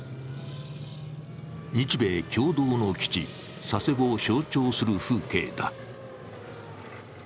日米共同の基地、佐世保を象徴する風景だ。